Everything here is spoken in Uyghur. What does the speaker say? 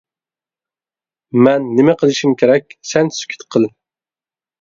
-مەن نېمە قىلىشىم كېرەك؟ -سەن سۈكۈت قىل.